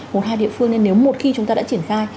một hai địa phương nên nếu một khi chúng ta đã triển khai